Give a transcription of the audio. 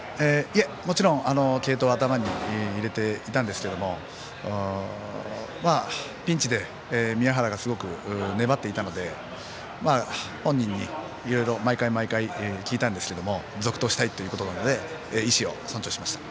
もちろん継投は頭に入れていたんですけれどもピンチで宮原がすごく粘っていたので本人に毎回、毎回聞いたんですけれども続投したいということなので意思を尊重しました。